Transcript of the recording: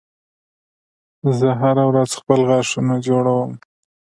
زه هره ورځ خپل غاښونه جوړوم